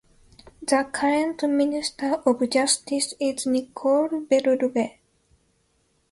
The current Minister of Justice is Nicole Belloubet.